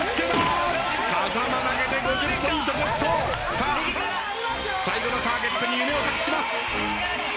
さあ最後のターゲットに夢を託します。